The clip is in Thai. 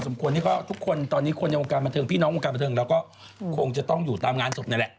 ทุกคนตอนนี้คนในวงการบันเทิงพี่น้องวงการบันเทิงเราก็คงจะต้องอยู่ตามงานศพนั่นแหละ